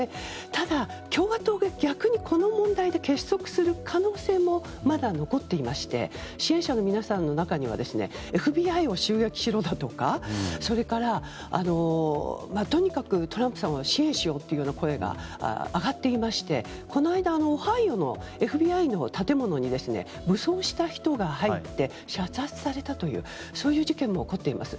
ただ、共和党が逆にこの問題で結束する可能性もまだ残っていまして支援者の皆さんの中にはＦＢＩを襲撃しろだとかとにかくトランプさんを支援しようという声が上がっていましてこの間オハイオのＦＢＩの建物に武装した人が入って射殺されたというそういう事件も起こっています。